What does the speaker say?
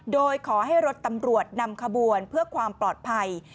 โดยขอให้รถตำรวจนำขบวนเพื่อความปลอดภัย